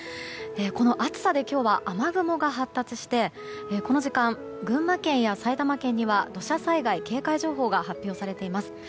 この暑さで今日は雨雲が発達してこの時間、群馬県や埼玉県には土砂災害警戒情報が発表されています。